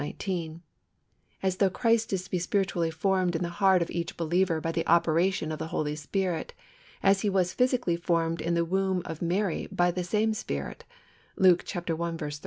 19); as though Christ is to be spiritually formed in the heart of each believer by the operation of the Holy Spirit, as He was physically formed in the womb of Mary by the same Spirit (Luke i.